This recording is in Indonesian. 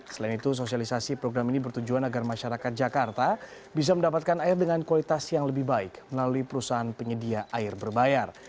selain itu sosialisasi program ini bertujuan agar masyarakat jakarta bisa mendapatkan air dengan kualitas yang lebih baik melalui perusahaan penyedia air berbayar